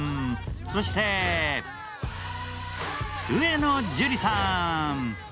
そして、上野樹里さん。